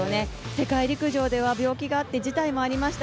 世界陸上では病気があって辞退もありました。